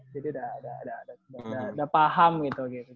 jadi udah paham gitu